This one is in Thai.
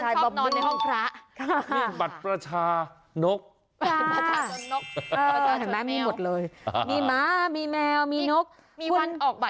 เห็นว่ามันชอบนอนในห้องพระ